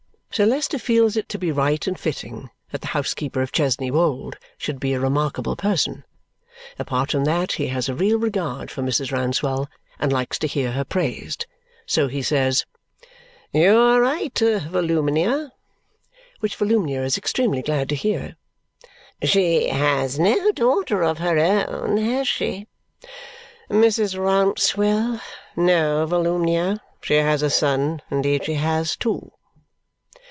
Sir Leicester feels it to be right and fitting that the housekeeper of Chesney Wold should be a remarkable person. Apart from that, he has a real regard for Mrs. Rouncewell and likes to hear her praised. So he says, "You are right, Volumnia," which Volumnia is extremely glad to hear. "She has no daughter of her own, has she?" "Mrs. Rouncewell? No, Volumnia. She has a son. Indeed, she had two."